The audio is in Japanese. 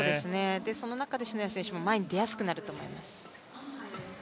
その中で篠谷選手も前に出やすくなると思います。